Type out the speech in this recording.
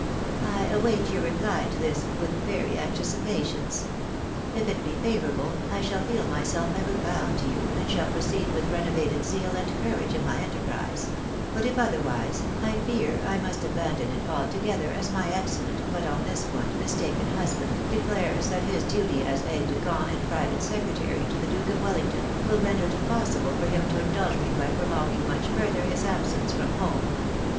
I await your reply to this with very anxious im patience. If it be favourable, I shall feel myself ever bound to you, and shall proceed with renovated zeal and courage in my enter MKS. BAENABY ACCELERATES BUSINESS. 255 prise ; but if otherwise, I fear I must abandon it altogether, as my excellent, but, on this point, mistaken husband, declares that his duty as aide de camp and private secretary to the Duke of Welling ton, will render it impossible for him to indulge me by prolonging much further his absence from home.